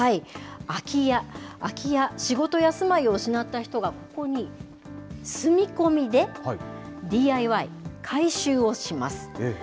空き家、仕事や住まいを失った人がここに住み込みで、ＤＩＹ、改修をします。